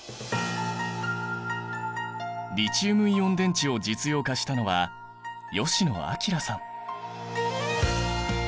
リチウムイオン電池を実用化したのは吉野彰さん。